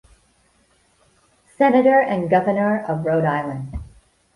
Senator and Governor of Rhode Island.